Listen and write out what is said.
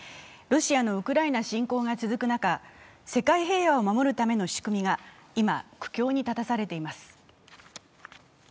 ロシアのウクライナ侵攻が続く中、世界平和を守るための仕組みが今、苦境に立たされています。